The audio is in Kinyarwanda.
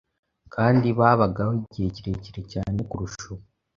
kandi babagaho igihe kirekire cyane kurusha ubu